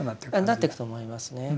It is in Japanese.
なっていくと思いますね。